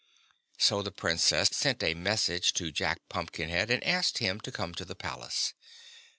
So the Princess sent a message to Jack Pumpkinhead and asked him to come to the palace.